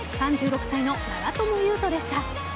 ３６歳の長友佑都でした。